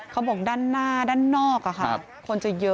เขาบอกด้านหน้าด้านนอกอ่ะค่ะ